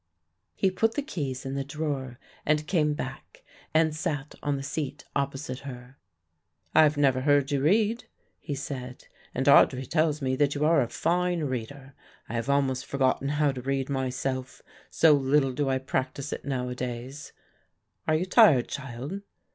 He put the keys in the drawer and came back and sat on the seat opposite her. "I have never heard you read," he said, "and Audry tells me that you are a fine reader. I have almost forgotten how to read myself, so little do I practise it nowadays. Are you tired, child?